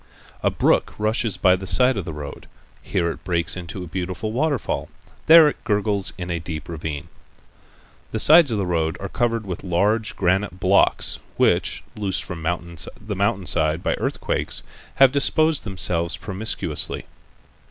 A brook rushes by the side of the road. Here it breaks into a beautiful waterfall. There it gurgles' in a deep ravine. The sides of the road are covered with large granite blocks which, loosened from the mountain side by earthquakes, have disposed themselves promiscuously.